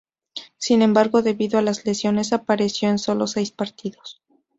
Sin embargo, debido a las lesiones, apareció en sólo seis partidos.